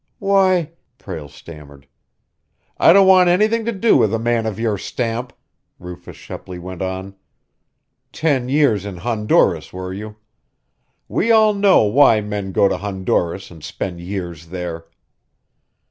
"Why " Prale stammered. "I don't want anything to do with a man of your stamp!" Rufus Shepley went on. "Ten years in Honduras, were you? We all know why men go to Honduras and spend years there."